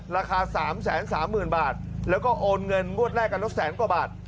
ราคาสามแสนสามหมื่นบาทแล้วก็โอนเงินมวดแรกกับรถแสนกว่าบาท